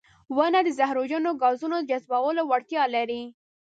• ونه د زهرجنو ګازونو جذبولو وړتیا لري.